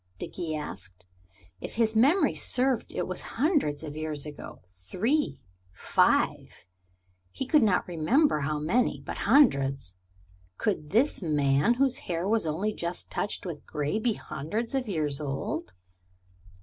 Dickie asked. If his memory served it was hundreds of years ago three, five he could not remember how many, but hundreds. Could this man, whose hair was only just touched with gray, be hundreds of years old?